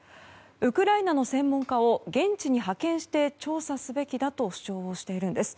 ウクライナの専門家を現地に派遣して調査すべきだと主張しているんです。